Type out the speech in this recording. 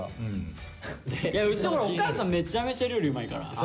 うちほらお母さんめちゃめちゃ料理うまいから。